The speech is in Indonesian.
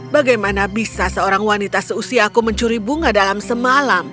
bagaimana bisa seorang wanita seusia aku mencuri bunga dalam semalam